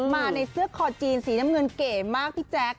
มาในเสื้อคอจีนสีน้ำเงินเก๋มากพี่แจ๊ค